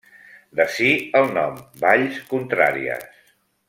D'ací el nom, valls contràries.